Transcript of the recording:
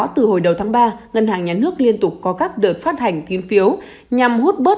từ hồi đầu tháng ba ngân hàng nhà nước liên tục có các đợt phát hành kín phiếu nhằm hút bớt